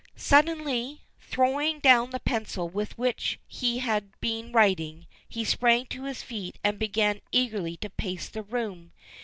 Suddenly, throwing down the pencil with which he had been writing, he sprang to his feet and began eagerly to pace the room.